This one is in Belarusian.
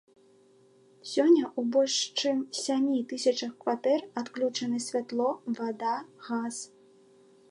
Сёння ў больш чым сямі тысячах кватэр адключаны святло, вада, газ.